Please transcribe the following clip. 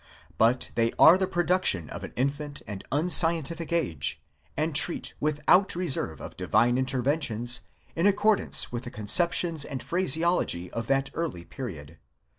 But they are the production of an infant and unscientific age ; and treat, without reserve of divine inter ventions, in accordance with the conceptions and phraseology of that early period.